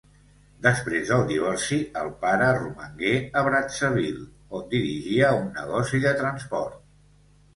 Després del divorci, el pare romangué a Brazzaville on dirigia un negoci de transport.